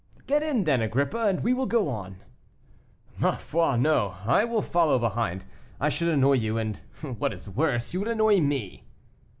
"Get in then, Agrippa, and we will go on." "Ma foi, no, I will follow behind; I should annoy you, and, what is worse, you would annoy me."